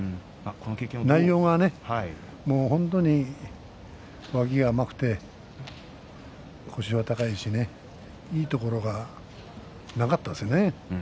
内容がね、本当に脇が甘くて腰は高いしいいところがなかったですね。